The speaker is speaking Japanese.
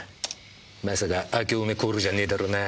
まさかあけおめコールじゃねぇだろうな。